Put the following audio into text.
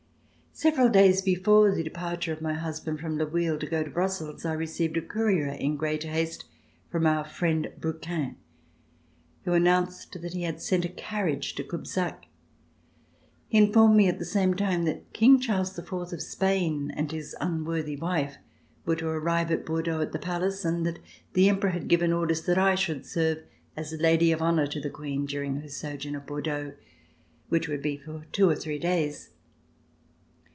Several days before the departure of my husband from Le Bouilh to go to Brussels, I received a courier, in great haste, from our friend Brouquens, who an nounced that he had sent a carriage to Cubzac. He informed me at the same time that King Charles IV of Spain and his unworthy wife were to arrive at [335 ] RECOLLECTIONS OF THE REVOLUTION Bordeaux at the Palace and that the Emperor had given orders that I should serve as Lady of Honor to the Queen during her sojourn at Bordeaux, which would be for two or three days.